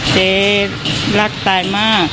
เจนี่รักตายมาก